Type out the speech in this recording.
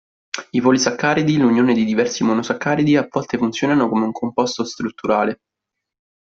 I polisaccaridi, l'unione di diversi monosaccaridi, a volte funzionano come un composto strutturale.